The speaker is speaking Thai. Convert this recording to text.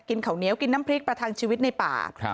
เหนียวกินน้ำพริกประทังชีวิตในป่า